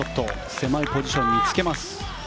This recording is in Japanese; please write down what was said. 狭いポジションにつけます。